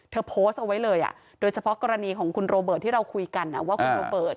โพสต์เอาไว้เลยโดยเฉพาะกรณีของคุณโรเบิร์ตที่เราคุยกันว่าคุณโรเบิร์ต